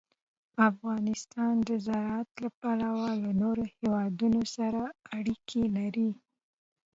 افغانستان د زراعت له پلوه له نورو هېوادونو سره اړیکې لري.